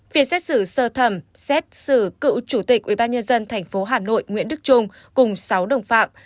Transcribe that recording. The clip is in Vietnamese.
phía xét xử sơ thẩm xét xử cựu chủ tịch ubnd tp hà nội nguyễn đức trung cùng sáu đồng phạm